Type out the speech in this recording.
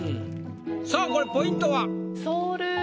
さあこれポイントは？